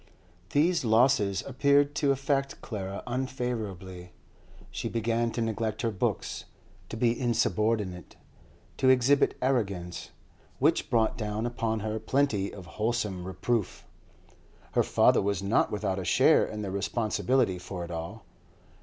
These losses appeared to affect Clara unfavourably. She began to neglect her books, to be insubordinate, to exhibit arrogance, which brought down upon her plenty of wholesome reproof. Her father was not without a share in the responsibility for it all.